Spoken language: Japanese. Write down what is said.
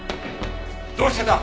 どうしてだ！